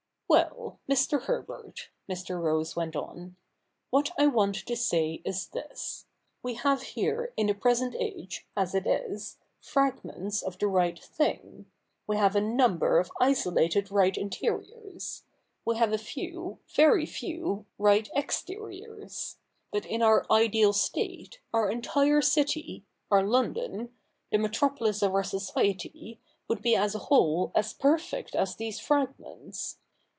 ' Well, Mr. Herbert,' Mr. Rose went on, ' what I want to say is this. We have here in the present age, as it is, \ fragments of the right thing. We have a number of isolated right interiors : we have a few, very few right I exteriors. But in our ideal state, our entire city — our / London — the metropolis of our society, would be as a whole as perfect as these fragments.